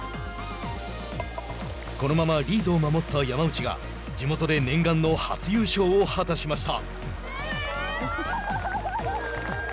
このままリードを守った山内が地元で念願の初優勝を果たしました。